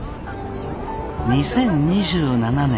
２０２７年。